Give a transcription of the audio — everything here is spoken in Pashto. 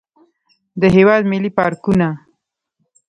د هېواد ملي پارکونه.